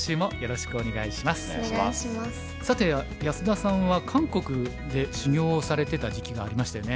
さて安田さんは韓国で修業をされてた時期がありましたよね。